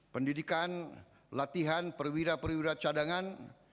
pendidikan latihan perwira perwira cadangan